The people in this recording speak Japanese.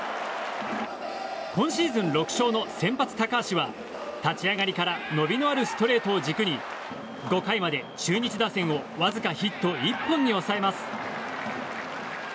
今シーズン６勝の先発、高橋は立ち上がりから伸びのあるストレートを軸に５回まで中日打線をわずかヒット１本に抑えます。